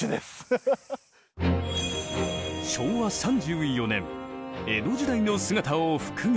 昭和３４年江戸時代の姿を復元。